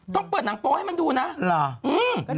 ต้องเปิดหนังโป้ให้มันดูนะหรออืม